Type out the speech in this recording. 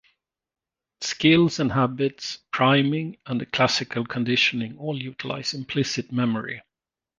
Skills and habits, priming, and classical conditioning all utilize implicit memory.